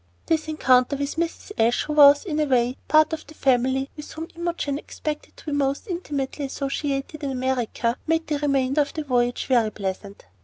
This encounter with Mrs. Ashe, who was, in a way, part of the family with whom Imogen expected to be most intimately associated in America, made the remainder of the voyage very pleasant.